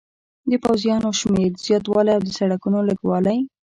د پوځیانو د شمېر زیاتوالی او د سړکونو لږوالی.